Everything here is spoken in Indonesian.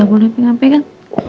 enggak boleh pengampe kan